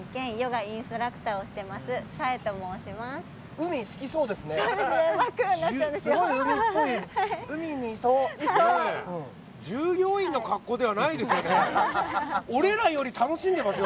海、好きそうですね。